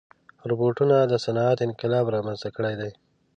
روبوټونه د صنعت انقلاب رامنځته کړی دی.